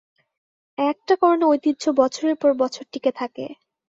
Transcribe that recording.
একটা কারণে ঐতিহ্য বছরের পর বছর টিকে থাকে।